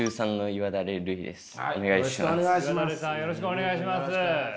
岩垂さんよろしくお願いします。